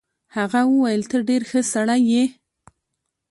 هغه وویل ته ډېر ښه سړی یې.